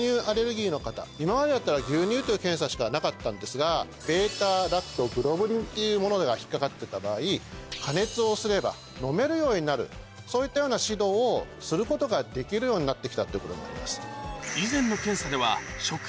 今までだったら牛乳という検査しかなかったんですが。というものが引っかかってた場合加熱をすれば飲めるようになるそういったような指導をすることができるようになってきたということになります。